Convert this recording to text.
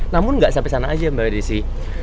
namun nggak sampai sana aja mbak desi